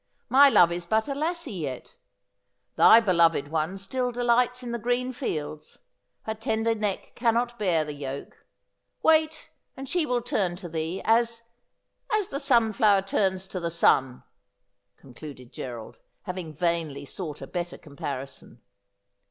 " My love is but a lassie yet." Thy beloved one still delights in the green fields ; her tender neck cannot bear the yoke. Wait, and she will turn to thee — as — as the sunflower turns to the sun,' concluded G erald, having vainly sought a better comparison.